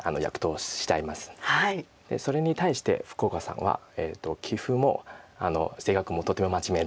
それに対して福岡さんは棋風も性格もとても真面目で。